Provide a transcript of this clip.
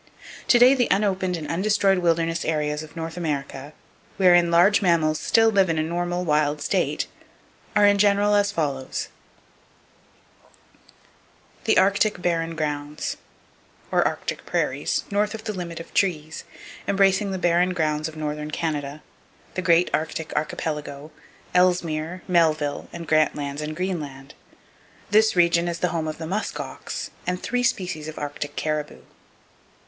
To day the unopened and undestroyed wilderness areas of North America, wherein large mammals still live in a normal wild state, are in general as follows: The Arctic Barren Grounds , or Arctic Prairies, north of the limit of trees, embracing the Barren Grounds of northern Canada, the great arctic archipelago, Ellesmere, Melville and Grant Lands and Greenland. This region is the home of the musk ox and three species of arctic caribou.